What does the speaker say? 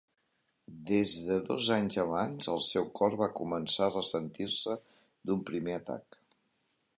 Des de dos anys abans el seu cor va començar a ressentir-se d'un primer atac.